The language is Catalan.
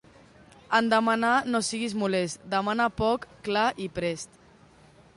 En demanar no siguis molest; demana poc, clar i prest.